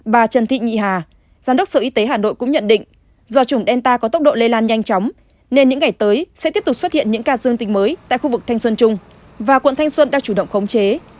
bà trần thị nhị hà giám đốc sở y tế hà nội cũng nhận định do chủng delta có tốc độ lây lan nhanh chóng nên những ngày tới sẽ tiếp tục xuất hiện những ca dương tính mới tại khu vực thanh xuân trung và quận thanh xuân đang chủ động khống chế